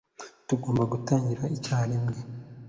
tugomba gutangira icyarimwe